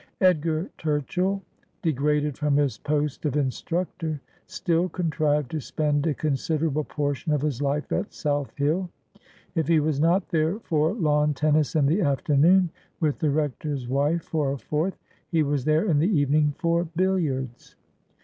Edgar Turchill, degraded from his post of instructor, still contrived to spend a considerable portion of his life at South Hill. If he was not there for lawn tennis in the afternoon, with the Bector's wife for a fourth, he was there in the evening for billiards.